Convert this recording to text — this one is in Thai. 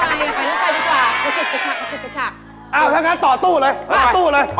ถ้างั้นต่อตู้เลยต่อตู้เลย